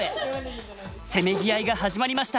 せめぎ合いが始まりました。